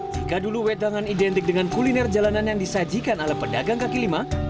jika dulu wedangan identik dengan kuliner jalanan yang disajikan oleh pedagang kaki lima